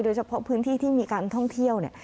โดยเฉพาะพื้นที่ที่มีการท่องเที่ยวเนี่ย